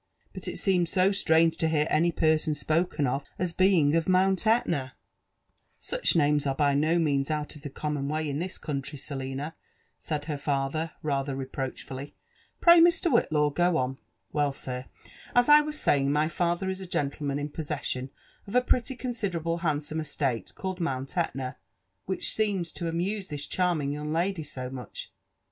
But it seemed so strange to hear any person spoken of as being of Mount Etna." f^ UPS AND iDVEVTUKBH OF Such o^mes are by no meang out of tho commM waf it country, Selina/' said ber (ather rather reproachfully. Pray, Hr. Whillaw, go on/' *' Well, sir, as I was saying, my father is a genUemaa in po^seaaioa of a pretty considerable handsome estate, called Mount Etna, which seems to arouse this charming young lady so much.